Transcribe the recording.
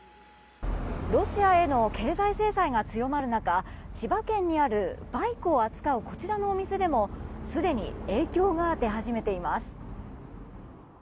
ロシアへの経済制裁が強まる中千葉県にあるバイクを扱う、こちらのお店でもすでに影響が出始めています。